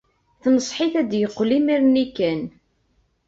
Tenṣeḥ-it ad d-yeqqel imir-nni kan.